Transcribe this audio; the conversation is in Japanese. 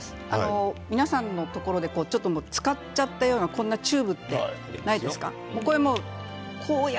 皆さんのところで使っちゃったようなチューブってないですか？